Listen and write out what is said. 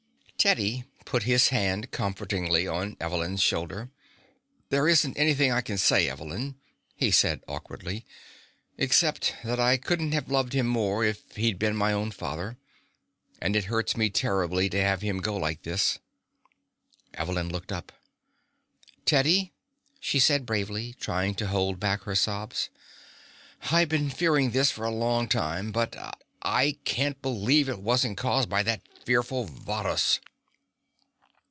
Teddy put his hand comfortingly on Evelyn's shoulder. "There isn't anything I can say, Evelyn," he said awkwardly, "except that I couldn't have loved him more if he'd been my own father, and it hurts me terribly to have him go like this." Evelyn looked up. "Teddy," she said bravely, trying to hold back her sobs, "I've been fearing this for a long time, but I can't believe it wasn't caused by that fearful Varrhus."